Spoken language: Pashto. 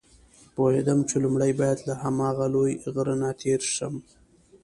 پوهېدم چې لومړی باید له هماغه لوی غره نه تېر شم.